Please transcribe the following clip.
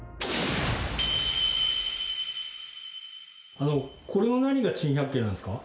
あのこれの何が珍百景なんですか？